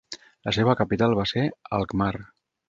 La seva capital va ser Alkmaar.